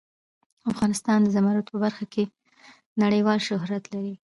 افغانستان د زمرد په برخه کې نړیوال شهرت لري.